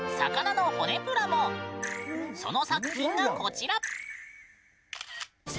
その作品がこちら！